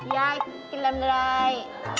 ยายกินลำไร